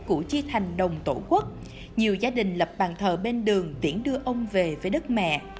cụ chi thành đồng tổ quốc nhiều gia đình lập bàn thờ bên đường tiễn đưa ông về với đất mẹ